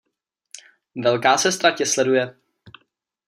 Velká Sestra tě sleduje!